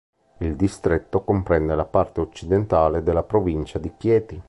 Il distretto comprende la parte occidentale della provincia di Chieti.